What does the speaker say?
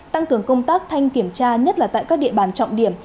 tăng cường công tác thanh kiểm tra nhất là tại các địa bàn trọng điểm